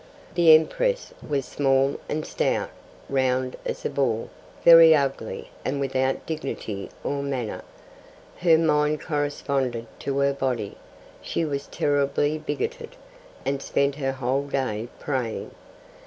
The Empress was small and stout, round as a ball, very ugly, and without dignity or manner. Her mind corresponded to her body. She was terribly bigoted, and spent her whole day praying.